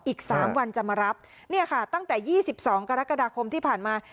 อีกสามวันจะมารับเนี่ยค่ะตั้งแต่ยี่สิบสองกรกฎาคมที่ผ่านมา